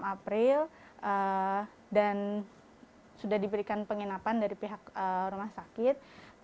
enam april dan sudah diberikan penginapan dari pihak rumah sakit